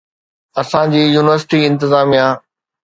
اسان جي يونيورسٽي انتظاميه